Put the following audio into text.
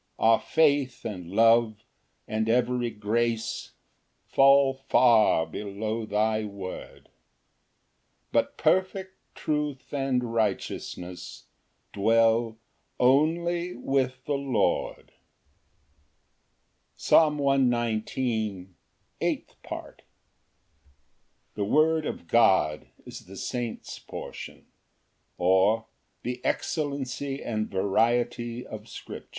6 Our faith and love, and every grace, Fall far below thy word; But perfect truth and righteousness Dwell only with the Lord. Psalm 119:08. Eighth Part. The word of God is the saint's portion; or, The excellency and variety of scripture. Ver. 111.